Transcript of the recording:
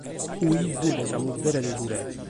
Fiat fìgiu de sa mugere de su re.